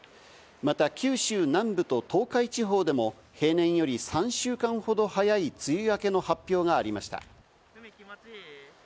また九州南部と東海地方でも平年より３週間ほど早い梅雨明けの発表がありました。